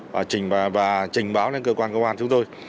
và trình báo lên cơ quan công an chúng tôi